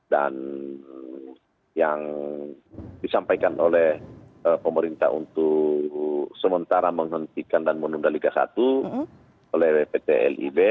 dan yang disampaikan oleh pemerintah untuk sementara menghentikan dan menunda liga satu oleh pt lib